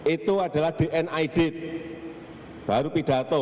itu adalah dnid baru pidato